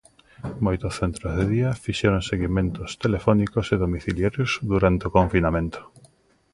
Moitos centros de día fixeron seguimentos telefónicos e domiciliarios durante o confinamento.